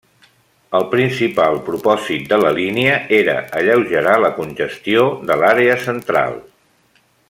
El principal propòsit de la línia era alleugerar la congestió de l'àrea central.